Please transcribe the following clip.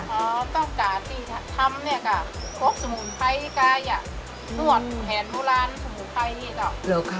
ต้องการที่ทำเนี่ยค่ะพกสมุนไพรกายนวดแผนโบราณสมุนไพรนี่เจ้า